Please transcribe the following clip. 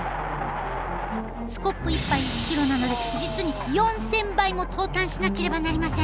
スコップ１杯１キロなので実に４，０００杯も投炭しなければなりません。